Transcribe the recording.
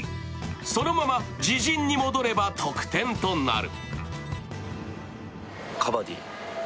そのまま自陣に戻れば得点となる。